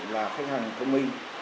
là khách hàng công minh